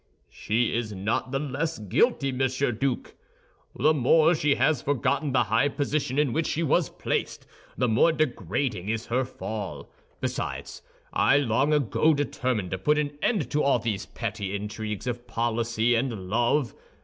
"She is not the less guilty, Monsieur Duke! The more she has forgotten the high position in which she was placed, the more degrading is her fall. Besides, I long ago determined to put an end to all these petty intrigues of policy and love.